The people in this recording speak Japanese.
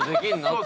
って。